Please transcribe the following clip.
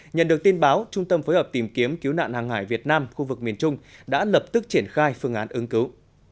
nhận được tin báo trung tâm phối hợp tìm kiếm cứu nạn hàng hải việt nam khu vực miền trung đã lập tức triển khai phương án ứng cứu